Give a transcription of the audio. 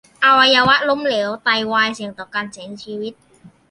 อวัยวะล้มเหลว ไตวาย เสี่ยงต่อการเสียชีวิต